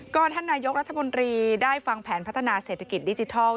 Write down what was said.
ก็ท่านนายกรัฐมนตรีได้ฟังแผนพัฒนาเศรษฐกิจดิจิทัล